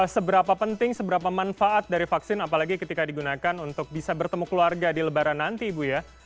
seberapa penting seberapa manfaat dari vaksin apalagi ketika digunakan untuk bisa bertemu keluarga di lebaran nanti ibu ya